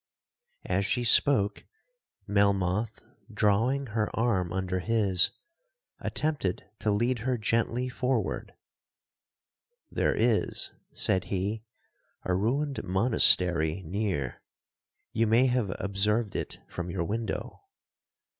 'As she spoke, Melmoth, drawing her arm under his, attempted to lead her gently forward. 'There is,' said he, 'a ruined monastery near—you may have observed it from your window.'